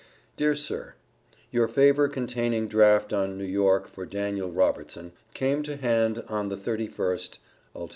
DEAR SIR: Your favor containing draft on N. York, for Daniel Robertson, came to hand on the 31st ult.